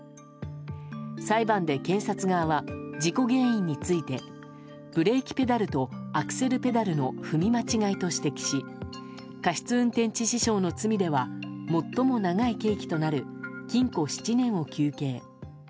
裁判で検察側は事故原因についてブレーキペダルとアクセルペダルの踏み間違いと指摘し過失運転致死傷の罪では最も長い刑期となる禁錮７年を求刑。